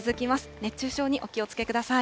熱中症にお気をつけください。